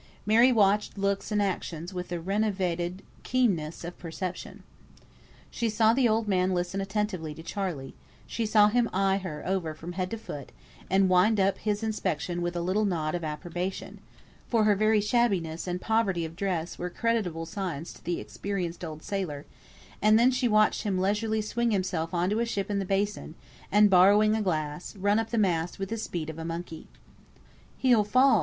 Mary watched looks and actions with a renovated keenness of perception. She saw the old man listen attentively to Charley; she saw him eye her over from head to foot, and wind up his inspection with a little nod of approbation (for her very shabbiness and poverty of dress were creditable signs to the experienced old sailor); and then she watched him leisurely swing himself on to a ship in the basin, and, borrowing a glass, run up the mast with the speed of a monkey. "He'll fall!"